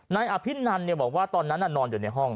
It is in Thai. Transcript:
นายอภินันบอกว่าตอนนั้นนอนอยู่ในห้อง